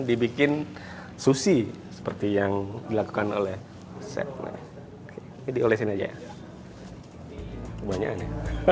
dibikin sushi seperti yang dilakukan oleh set ini oleh sini aja banyaknya